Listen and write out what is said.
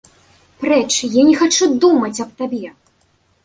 Прэч, я не хачу думаць аб табе!